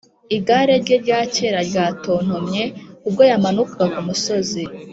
igare rye rya kera ryatontomye ubwo yamanukaga kumusozi.